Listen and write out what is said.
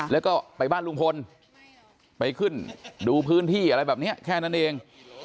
แล้วก็ไปบ้านลุงพลไปขึ้นดูพื้นที่อะไรแบบนี้แค่นั้นเอง